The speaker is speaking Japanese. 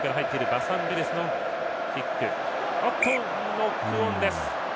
ノックオンです。